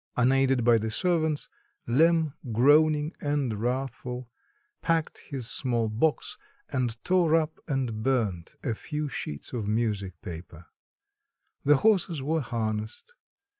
Unaided by the servants, Lemm, groaning and wrathful, packed his small box and tore up and burnt a few sheets of music paper. The horses were harnessed.